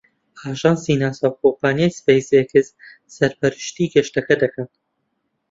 ئاژانسی ناسا و کۆمپانیای سپەیس ئێکس سەرپەرشتی گەشتەکە دەکەن.